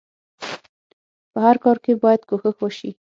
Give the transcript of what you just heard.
په هر کار کې بايد کوښښ وشئ.